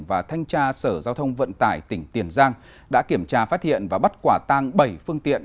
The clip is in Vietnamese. và thanh tra sở giao thông vận tải tỉnh tiền giang đã kiểm tra phát hiện và bắt quả tang bảy phương tiện